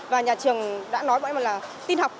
và nhà trường đã nói bọn em là tin học